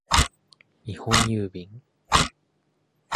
日本郵便